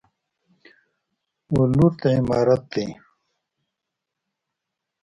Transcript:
ولورت عمارت دی؟